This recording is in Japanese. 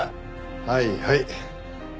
はいはい。